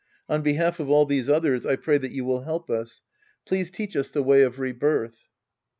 On behalf of all these others, I pray that you will help us. Please teach us the way of rebirth.